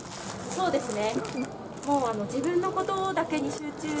そうですね